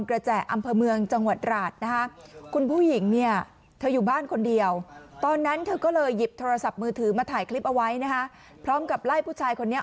คุณผู้หญิงที่เป็นเจ้าของบ้าน